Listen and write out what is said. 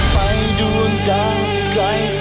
เพลง